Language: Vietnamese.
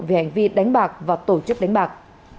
về hành vi đánh bạc và tổ chức đánh bạc